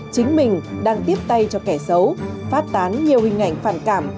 chính mình đang tiếp tay cho kẻ xấu phát tán nhiều hình ảnh phản cảm